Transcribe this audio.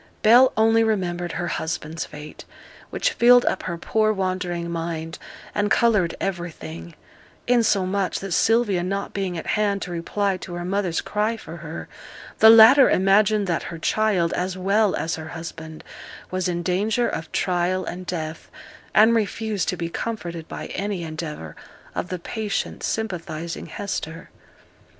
Bell only remembered her husband's fate, which filled up her poor wandering mind, and coloured everything; insomuch that Sylvia not being at hand to reply to her mother's cry for her, the latter imagined that her child, as well as her husband, was in danger of trial and death, and refused to be comforted by any endeavour of the patient sympathizing Hester.